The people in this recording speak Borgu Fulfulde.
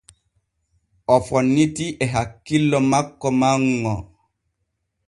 O fonnitii e hakkillo makko manŋo.